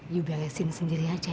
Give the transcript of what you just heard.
you beresin sendiri aja